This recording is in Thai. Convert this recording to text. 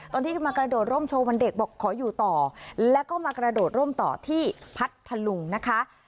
ตอนที่มากระโดดร่มโชว์วันเด็กบอกขออยู่ต่อแล้วก็มากระโดดร่มต่อที่พัทธลุงนะคะ